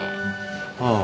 ああ。